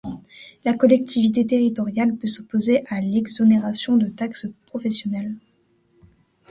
La collectivité territoriale peut s'opposer à l'exonération de taxe professionnelle.